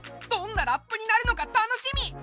どんなラップになるのか楽しみ！